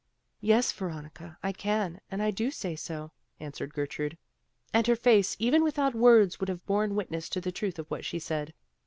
"Yes, Veronica, I can and I do say so," answered Gertrude, and her face even without words would have borne witness to the truth of what she said.